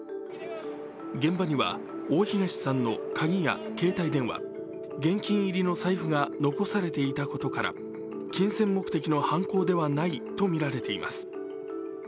現場には大東さんの鍵や携帯電話、現金入りの財布が残されていたことから金銭目的の犯行ではないとみられています。